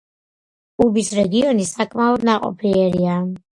ყუბის რეგიონი საკმაოდ ნაყოფიერია.